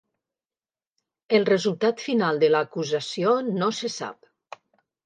El resultat final de l'acusació no se sap.